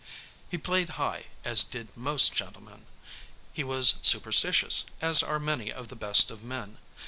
He played high, as did most gentlemen; he was superstitious, as are many of the best of men.